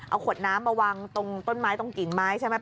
เอาขวดน้ำมาวางตรงต้นไม้ตรงกิ่งไม้ใช่ไหม